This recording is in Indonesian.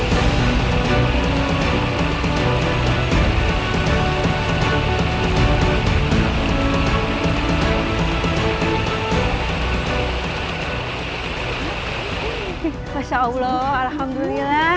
terima kasih raden